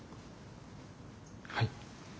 はい。